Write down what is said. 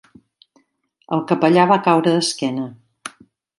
El capellà va caure d'esquena.